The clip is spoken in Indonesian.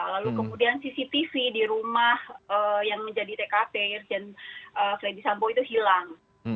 lalu kemudian cctv di rumah yang menjadi tkp irjen freddy sambo itu hilang